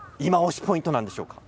ポイントなんでしょうか。？